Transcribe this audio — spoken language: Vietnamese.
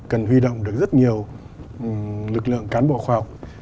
cần huy động được rất nhiều lực lượng cán bộ khoa học